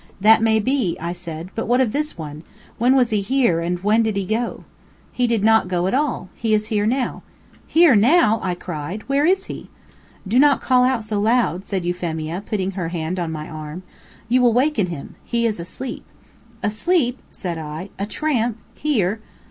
"That may be," I said; "but what of this one? When was he here, and when did he go?" "He did not go at all. He is here now." "Here now!" I cried. "Where is he?" "Do not call out so loud," said Euphemia, putting her hand on my arm. "You will waken him. He is asleep." "Asleep!" said I. "A tramp? Here?"